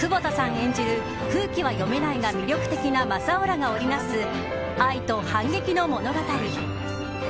演じる空気は読めないが魅力的な正夫らが織りなす愛と反撃の物語。